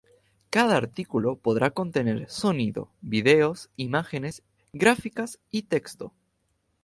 Cada artículo podrá contener sonido, video, imágenes, gráficas y texto.